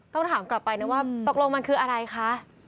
ต้องถามกลับไปนะว่าตกลงมันคืออะไรคะ